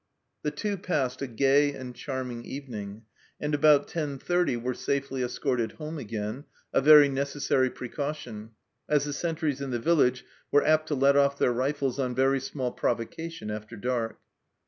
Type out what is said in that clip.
The Two passed a gay and charming evening, and about 10.30 were safely escorted home again, a very necessary precaution, as the sentries in the village were apt to let off their rifles on very small provocation after dark.